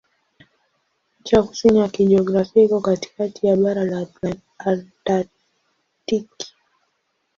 Ncha ya kusini ya kijiografia iko katikati ya bara la Antaktiki.